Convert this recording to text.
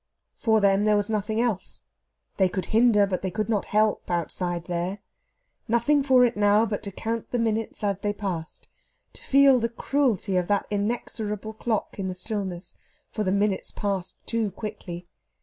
For them there was nothing else. They could hinder, but they could not help, outside there. Nothing for it now but to count the minutes as they passed, to feel the cruelty of that inexorable clock in the stillness; for the minutes passed too quickly.